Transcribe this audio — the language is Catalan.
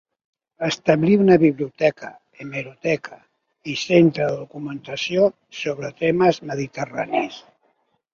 Establir una biblioteca, hemeroteca i centre de documentació sobre temes mediterranis.